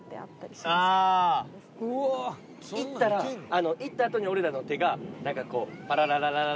行ったら行ったあとに俺らの手がなんかこうパララララララ。